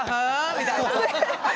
みたいな。